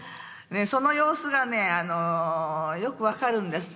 その様子がよく分かるんです。